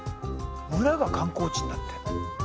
村が観光地になってるの？